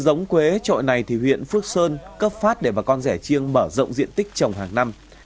trồng cây quế này thì huyện phước sơn cấp phát để bà con rẻ chiêng mở rộng diện tích trồng hàng năm